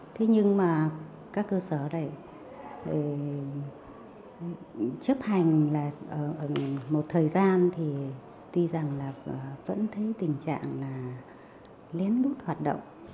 thế nhưng mà các cơ sở này chấp hành là một thời gian thì tuy rằng là vẫn thấy tình trạng là lén lút hoạt động